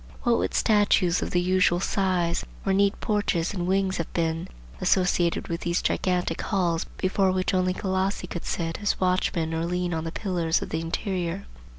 What would statues of the usual size, or neat porches and wings have been, associated with those gigantic halls before which only Colossi could sit as watchmen or lean on the pillars of the interior?"